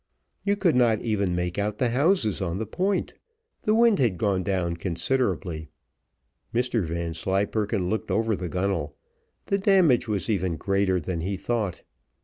You could not even make out the houses on the point. The wind had gone down considerably. Mr Vanslyperken looked over the gunnel the damage was even greater than he thought.